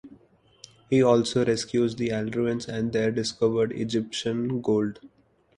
He also rescues the Alruanes and their discovered Egyptian gold.